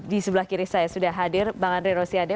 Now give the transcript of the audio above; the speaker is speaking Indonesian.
di sebelah kiri saya sudah hadir bang andre rosiade